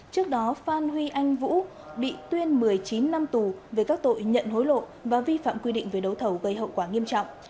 trước đó phan huy anh vũ bị tuyên một mươi chín năm tù về các tội nhận hối lộ và vi phạm quy định về đấu thầu gây hậu quả nghiêm trọng